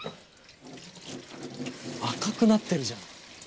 赤くなってるじゃん。